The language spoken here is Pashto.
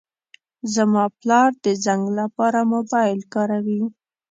زما پلار د زنګ لپاره موبایل کاروي.